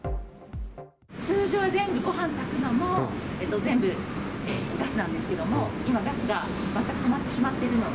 通常は全部、ごはん炊くのも、全部ガスなんですけども、今、ガスが全く止まってしまっているので。